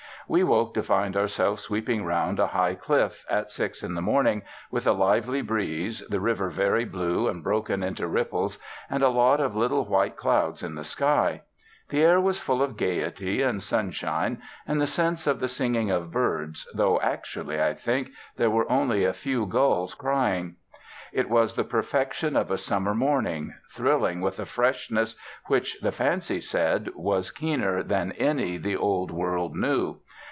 We woke to find ourselves sweeping round a high cliff, at six in the morning, with a lively breeze, the river very blue and broken into ripples, and a lot of little white clouds in the sky. The air was full of gaiety and sunshine and the sense of the singing of birds, though actually, I think, there were only a few gulls crying. It was the perfection of a summer morning, thrilling with a freshness which, the fancy said, was keener than any the old world knew.